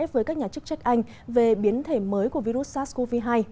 với các nhà chức trách anh về biến thể mới của virus sars cov hai